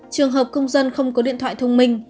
trường hợp công dân không có điện thoại thông minh